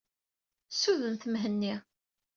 Ssudnet Mhenni.